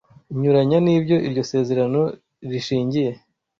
inyuranya n’ibyo iryo sezerano rishingiye